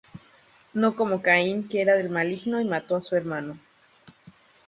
No como Caín, que era del maligno, y mató á su hermano.